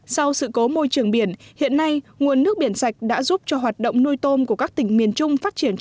sau sự cố môi trường biển hiện nay nguồn nước biển sạch đã giúp cho hoạt động nuôi tôm của các tỉnh miền trung phát triển